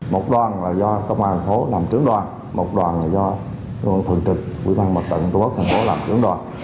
một đoàn là do công an thành phố làm trưởng đoàn một đoàn là do thượng trực quỹ ban mật tận thành phố làm trưởng đoàn